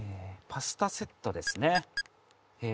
パスタセットですねえ